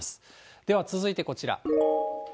では続いてこちら。